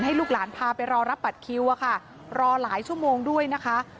ให้ลูกหลานพาไปรอรับบัตรคิวอะค่ะรอหลายชั่วโมงด้วยนะคะ